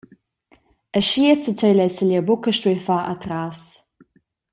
Aschia zatgei lessel jeu buca stuer far atras.